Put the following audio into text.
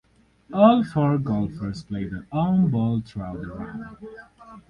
All four golfers play their own ball throughout the round.